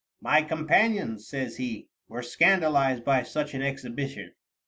"My companions," says he, "were scandalized by such an exhibition.